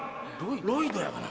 ロイドやがな。